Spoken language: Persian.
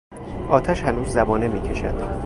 آتش هنوز زبانه میکشد.